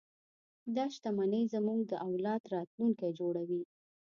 دا شتمنۍ زموږ د اولاد راتلونکی جوړوي.